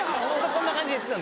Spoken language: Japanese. こんな感じで言ってた。